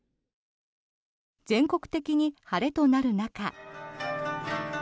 全国的に晴れとなる中。